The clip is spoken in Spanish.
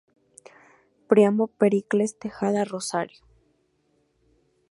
Príamo Pericles Tejada Rosario.